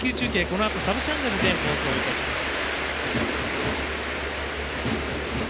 このあとサブチャンネルで放送いたします。